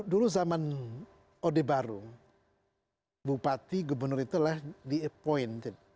dulu zaman odeh baru bupati gubernur itulah di appointed